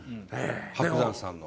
伯山さんの。